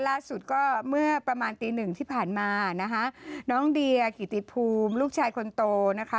ล่าสุดก็เมื่อประมาณตีหนึ่งที่ผ่านมานะคะน้องเดียกิติภูมิลูกชายคนโตนะคะ